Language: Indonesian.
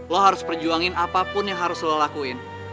lo harus perjuangin apapun yang harus lo lakuin